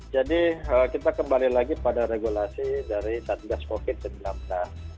jadi kita kembali lagi pada regulasi dari satgas covid sembilan belas